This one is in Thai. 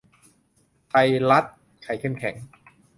ไทยรัฐ ใครเข้มแข็ง